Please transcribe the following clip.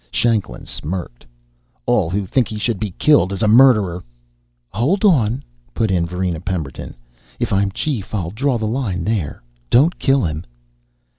Shanklin smirked. "All who think he should be killed as a murderer " "Hold on," put in Varina Pemberton. "If I'm chief, I'll draw the line there. Don't kill him."